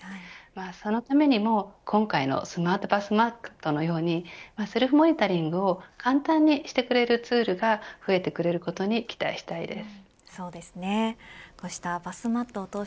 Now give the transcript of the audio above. そのためにも今回のスマートバスマットのようにセルフモニタリングを簡単にしてくれるツールが増えてくれることに期待したいです。